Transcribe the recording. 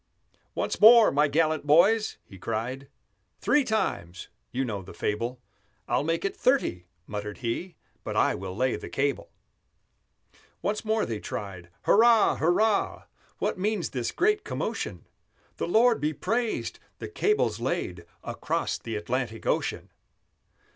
"Once more, my gallant boys!" he cried; "Three times! you know the fable (I'll make it thirty," muttered he, "But I will lay the cable!"). Once more they tried, hurrah! hurrah! What means this great commotion? The Lord be praised! the cable's laid Across the Atlantic Ocean!